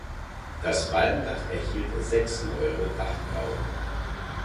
Das Walmdach erhielt sechs neuere Dachgauben.